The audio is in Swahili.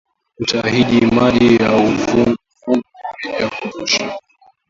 utahiji Maji ya uvuguvugu ya kutosha